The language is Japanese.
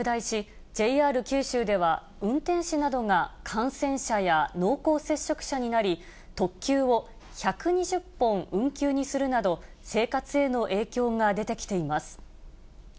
全国的にも感染は拡大し、ＪＲ九州では、運転士などが感染者や濃厚接触者になり、特急を１２０本運休にするなど、生活への影響が出てきています。